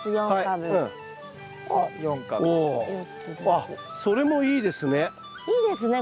あっそれもいいですね。